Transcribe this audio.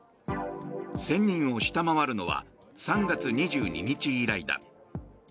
１０００人を下回るのは３月２１日以来だ。